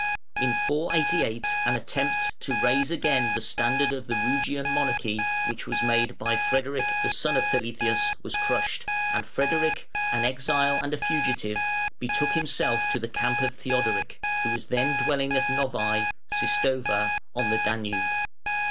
In 488 an attempt to raise again the standard of the Rugian monarchy, which was made by Frederic, the son of Feletheus, was crushed, and Frederic, an exile and a fugitive, betook himself to the camp of Theodoric, who was then dwelling at Novæ(Sistova?), on the Danube.